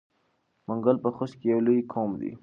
منګل په خوست کې یو لوی قوم دی.